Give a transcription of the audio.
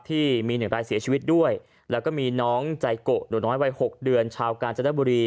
ที่มีหนึ่งรายเสียชีวิตด้วยแล้วก็มีน้องใจโกะหนูน้อยวัย๖เดือนชาวกาญจนบุรี